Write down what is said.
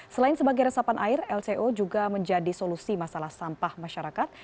selain sebagai resapan air lco juga menjadi solusi masalah sampah masyarakat